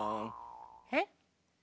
えっ？